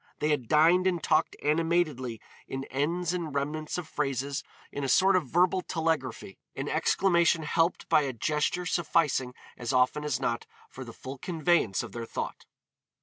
They had dined and talked animatedly in ends and remnants of phrases in a sort of verbal telegraphy; an exclamation helped by a gesture sufficing as often as not for the full conveyance of their thought.